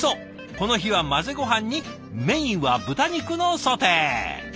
この日は混ぜごはんにメインは豚肉のソテー。